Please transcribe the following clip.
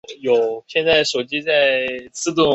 邓紫飞。